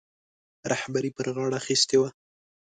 رهبري پر غاړه اخیستې وه.